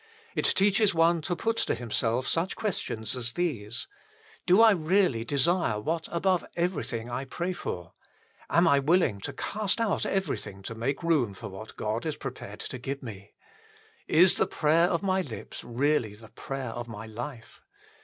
It teaches one to put to himself such questions as these : Do I really desire what above everything I pray for ? Am I willing to cast out everything 6 INTRODUCTION to make room for what God is prepared to give me ? Is the prayer of my lips really the prayer of my life